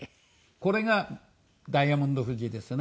これがダイヤモンド富士ですね。